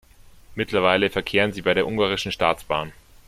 Mittlerweile verkehren sie bei der ungarischen Staatsbahn.